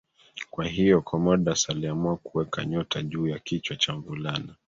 Kwa hiyo Commodus aliamua kuweka nyota juu ya kichwa cha mvulana